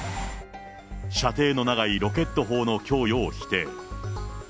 射程の長いロケット砲の供与を否定。